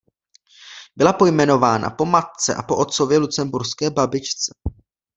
Byla pojmenována po matce a po otcově lucemburské babičce.